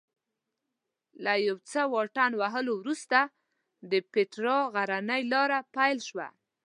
له یو څه واټن وهلو وروسته د پیترا غرنۍ لاره پیل شوه.